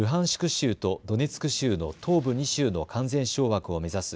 州とドネツク州の東部２州の完全掌握を目指す